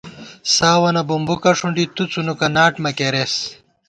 ساوَنہ بوُومبُکہ ݭنڈی، تو څُنوُکہ ناٹ مہ کېرېس